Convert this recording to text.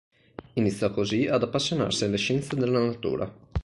Iniziò così ad appassionarsi alle scienze della natura.